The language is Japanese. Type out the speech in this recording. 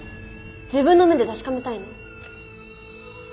自分の目で確かめたいの。